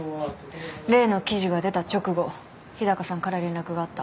例の記事が出た直後日高さんから連絡があった。